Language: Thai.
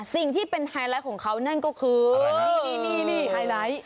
สิ่งที่เป็นไฮไลท์ของเขานั่นก็คือนี่ไฮไลท์